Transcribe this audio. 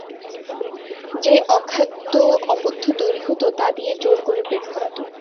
যে অখ্যাদ্য অপথ্য তৈরি হত, তা দিয়ে জোর করে পেট ভরাত।